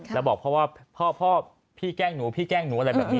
แล้วบอกพ่อว่าพ่อพี่แกล้งหนูพี่แกล้งหนูอะไรแบบนี้